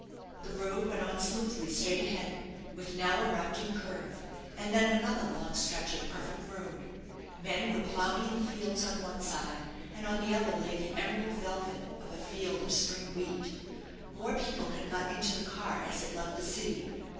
The road went on smoothly straight ahead, with now a rounding curve, and then another long stretch of perfect road. Men were ploughing in the fields on one side, and on the other lay the emerald velvet of a field of spring wheat. More people had got into the car as it left the city.